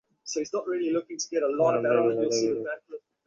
দানবরাও বেহুদা ঘুরে ফিরে বেড়ায়?